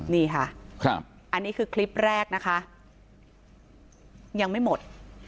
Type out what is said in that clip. นี่ค่ะอันนี้คือคลิปแรกนะคะยังไม่หมด